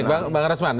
baik bang resman